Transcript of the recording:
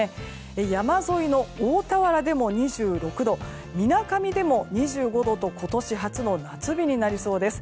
山沿いの大田原でも２６度みなかみでも２５度と今年初の夏日になりそうです。